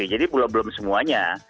jadi belum belum semuanya